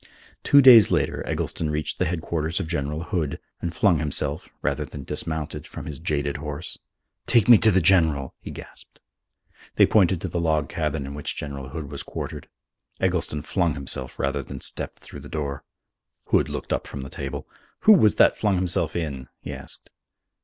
Two days later Eggleston reached the headquarters of General Hood, and flung himself, rather than dismounted, from his jaded horse. "Take me to the General!" he gasped. They pointed to the log cabin in which General Hood was quartered. Eggleston flung himself, rather than stepped, through the door. Hood looked up from the table. "Who was that flung himself in?" he asked.